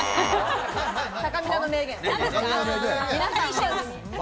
たかみなの名言。